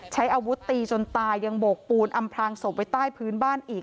ใช้อาวุธตีจนตายังโบกปูนอำพลางศพไว้ใต้พื้นบ้านอีก